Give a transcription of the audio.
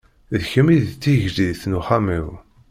D kemm i d tigejdit n uxxam-iw.